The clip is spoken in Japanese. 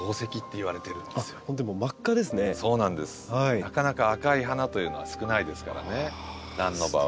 なかなか赤い花というのは少ないですからねランの場合。